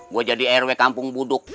gue jadi rw kampung buduk